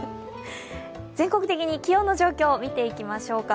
全国的に気温の状況見ていきましょうか。